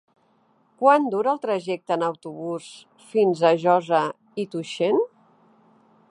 Quant dura el trajecte en autobús fins a Josa i Tuixén?